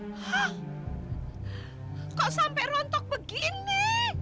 hah kok sampai rontok begini